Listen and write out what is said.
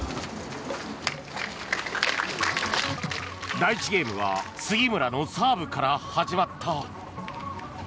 第１ゲームは杉村のサーブから始まった。